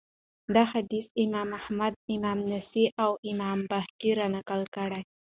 دا حديث امام احمد امام نسائي، او امام بيهقي را نقل کړی